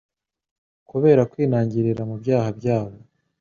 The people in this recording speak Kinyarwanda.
Kubera kwinangirira mu byaha byabo,